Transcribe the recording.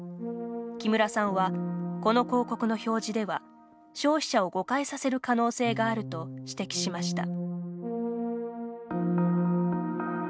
木村さんは、この広告の表示では消費者を誤解させる可能性があると指摘しました。